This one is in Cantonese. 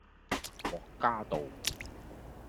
獲嘉道